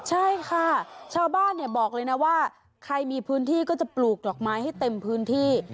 ใช่ค่ะชาวบ้านบอกเลยนะว่าใครมีพื้นที่ก็จะปลูกดอกไม้ให้เต็มพื้นที่